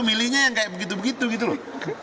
milihnya yang kayak begitu begitu gitu loh